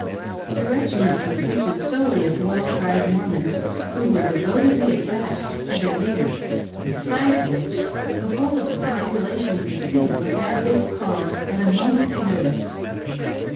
The regiment con sisted solely of well tried Mormons who were devotedly attached to their leader ; besides which, the whole of the population of the city was at his call at a moment's notice.